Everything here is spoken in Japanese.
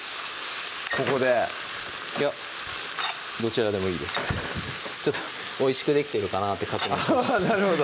ここでいやどちらでもいいですおいしくできてるかなって確認をしました